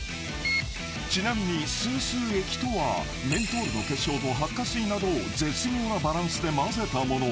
［ちなみにスースー液とはメントールの結晶とハッカ水などを絶妙なバランスで混ぜたもの。